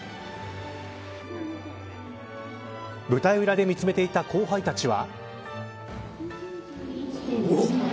舞台裏で見つめていた後輩たちは。